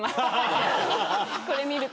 これ見ると。